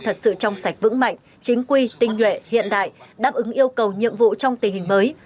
thật sự trong sạch vững mạnh chính quy tinh nhuệ hiện đại đáp ứng yêu cầu nhiệm vụ trong tình hình mới